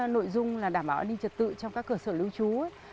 nội dung là đảm bảo an ninh trật tự trong các cơ sở lưu trú